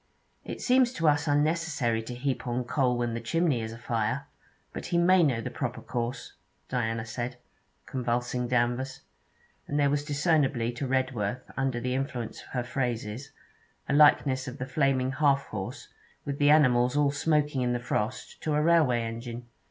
'It seems to us unnecessary to heap on coal when the chimney is afire; but he may know the proper course,' Diana said, convulsing Danvers; and there was discernibly to Redworth, under the influence of her phrases, a likeness of the flaming 'half horse,' with the animals all smoking in the frost, to a railway engine.